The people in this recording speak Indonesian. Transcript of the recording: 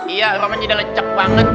iya orangnya udah ngecek banget